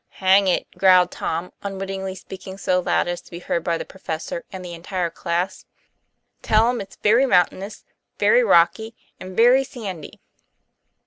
' Hang it," growled Tom, unwittingly speaking so loud as to be heard by the professor and the entire class, " tell him it's very mountainous, very rocky, and very sandy."